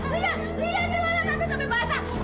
lihat lihat lala tante sampai basah